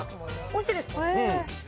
おいしいですか？